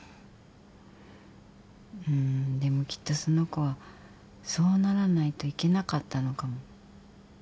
うーんでもきっとその子はそうならないといけなかったのかも。